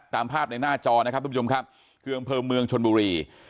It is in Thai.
ตามภาพในหน้าจอนะครับทุกผู้ชมครับคืออำเภอเมืองชนบุรี